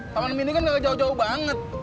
taman mini kan jauh jauh banget